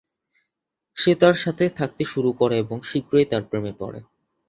সে তার সাথে থাকতে শুরু করে এবং শীঘ্রই তার প্রেমে পড়ে।